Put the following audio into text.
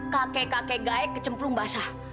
kakek kakek gaek kecemplung basah